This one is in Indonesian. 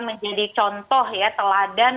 menjadi contoh ya teladan